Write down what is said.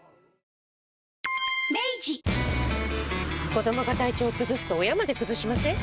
子どもが体調崩すと親まで崩しません？